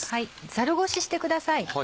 ザルごししてください。